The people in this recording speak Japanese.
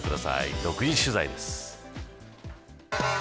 独自取材です。